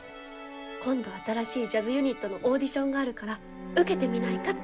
今度新しいジャズユニットのオーディションがあるから受けてみないかって。